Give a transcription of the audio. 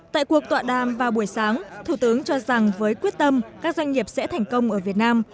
tại cuộc tọa đàm vào buổi sáng thủ tướng cho rằng với quyết tâm các doanh nghiệp sẽ thành công ở việt nam